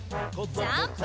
ジャンプ！